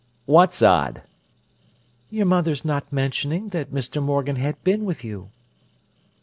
"What's odd?" "Your mother's not mentioning that Mr. Morgan had been with you."